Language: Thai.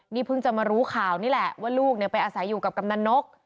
นี่เพิ่งจะมารู้ข่าวนี่แหละว่าลูกไปอาศัยอยู่กับกำนันนก